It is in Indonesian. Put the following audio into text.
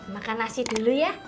makan nasi dulu ya